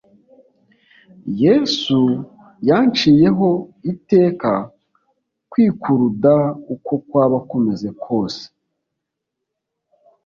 Yesu yacinyeho iteka kwikuruda uko kwaba kumeze kose,